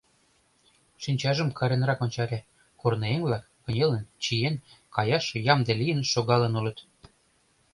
Шинчажым каренрак ончале: корныеҥ-влак, кынелын, чиен, каяш ямде лийын шогалын улыт.